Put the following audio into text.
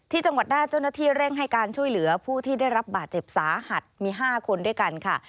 จังหวัดหน้าเจ้าหน้าที่เร่งให้การช่วยเหลือผู้ที่ได้รับบาดเจ็บสาหัสมี๕คนด้วยกันค่ะ